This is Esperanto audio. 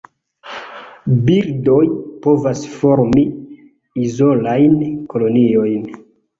Birdoj povas formi izolajn koloniojn.